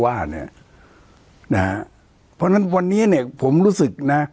เพราะฉะนั้นวันนี้เนี่ยผมรู้สึกนะ